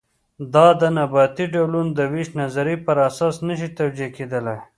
دا د نباتي ډولونو د وېش نظریې پر اساس نه شي توجیه کېدلی.